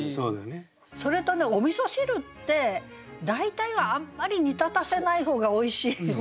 それとねお味汁って大体はあんまり煮立たせない方がおいしいんですよね。